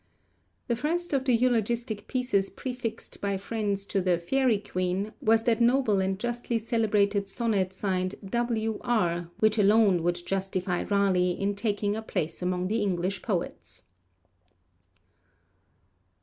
The first of the eulogistic pieces prefixed by friends to the Faery Queen was that noble and justly celebrated sonnet signed W. R. which alone would justify Raleigh in taking a place among the English poets.